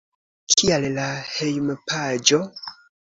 Kial la hejmpaĝo?